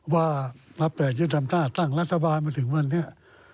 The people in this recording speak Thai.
ว่าหลับแต่ยืนทำหน้าตั้งรัฐบาลมาถึงวันเนี่ย